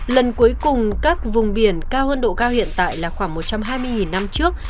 lần cuối cùng các vùng biển cao hơn độ cao hiện tại là khoảng một trăm hai mươi năm trước